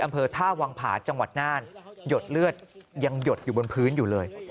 อำเภอท่าวังผาจังหวัดน่านหยดเลือดยังหยดอยู่บนพื้นอยู่เลย